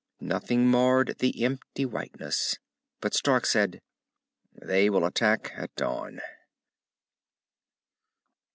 Nothing marred the empty whiteness. But Stark said, "They will attack at dawn."